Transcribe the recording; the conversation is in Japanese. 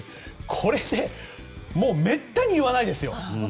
これでもうめったに言わないですよ